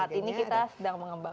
saat ini kita sedang mengembangkan